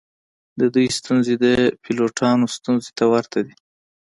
د دوی ستونزې د پیلوټانو ستونزو ته ورته دي